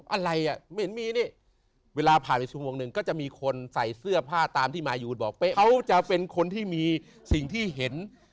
อะไรอ่ะไม่เห็นมีนี่เวลาผ่านไปชั่วโมงหนึ่งก็จะมีคนใส่เสื้อผ้าตามที่มายูนบอกเขาจะเป็นคนที่มีสิ่งที่เห็น